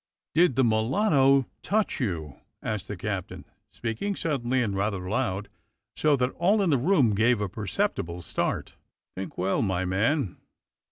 "Did the mulatto touch you?" asked the captain, speaking suddenly and rather loud, so that all in the room gave a perceptible start. "Think well, my man."